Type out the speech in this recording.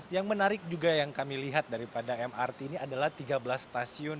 yang menarik juga yang kami lihat daripada mrt ini adalah tiga belas stasiun